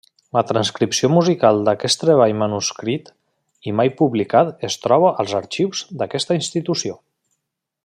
La transcripció musical d'aquest treball manuscrit i mai publicat es troba als arxius d'aquesta institució.